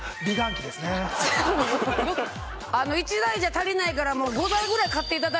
１台じゃ足りないから。